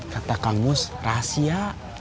kata kang ujang rahasia